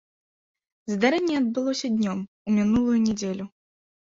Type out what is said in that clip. Здарэнне адбылося днём у мінулую нядзелю.